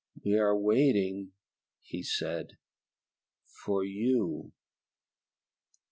"We are waiting," he said, "for you."